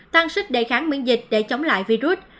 tăng sức đề kháng miễn dịch để chống lại virus